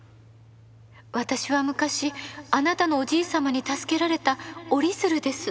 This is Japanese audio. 私は昔あなたのおじい様に助けられた折り鶴です。